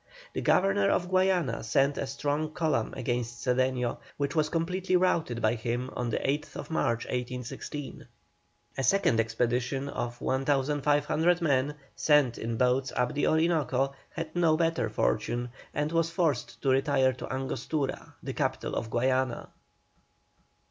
The Governor of Guayana sent a strong column against Cedeño, which was completely routed by him on the 8th March, 1816. A second expedition of 1,500 men, sent in boats up the Orinoco, had no better fortune, and was forced to retire to Angostura, the capital of Guayana.